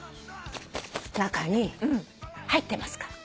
中に入ってますから。